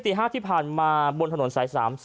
ตี๕ที่ผ่านมาบนถนนสาย๓๒